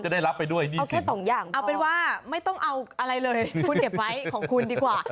เราเป็นว่าไม่ต้องเอาอะไรเลยคุณเก็บไว้ของคุณดีกว่า